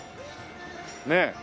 ねえ。